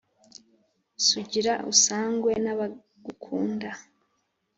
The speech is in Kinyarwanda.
Sugira usangwe n'abagukunda.